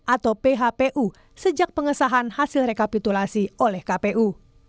atau phpu sejak pengesahan hasil rekapitulasi oleh kpu